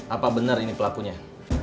apa benar ini pelakunya